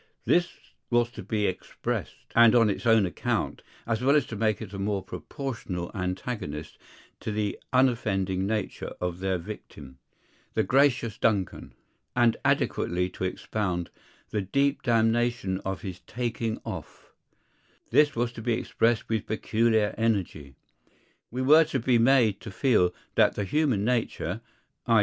This was to be expressed; and on its own account, as well as to make it a more proportionable antagonist to the unoffending nature of their victim, "the gracious Duncan," and adequately to expound "the deep damnation of his taking off," this was to be expressed with peculiar energy. We were to be made to feel that the human nature, _i.